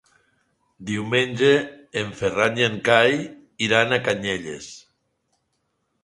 Diumenge en Ferran i en Cai iran a Canyelles.